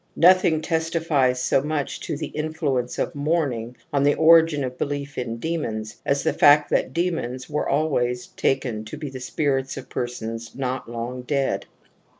Noth ing testifies so much to the influence of mourning on the origin of belief in demons as the fact that demons were always taken to be the spirits of persons not long dead.